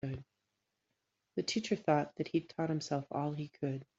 The teacher thought that he'd taught himself all he could.